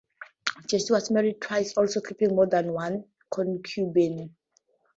Jesse was married twice, also keeping more than one concubine.